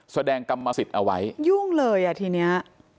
กรรมสิทธิ์เอาไว้ยุ่งเลยอ่ะทีเนี้ย